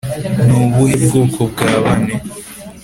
ni ubuhe bwoko bwa bane,